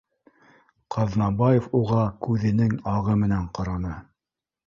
Ҡ аҙнабаев уға күҙенең ағы менән ҡараны